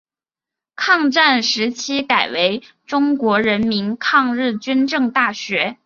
抗战时期改为中国人民抗日军政大学。